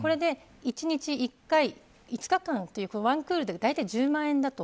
１日１回５日間とワンクールで１０万円だと。